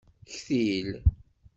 Ktil.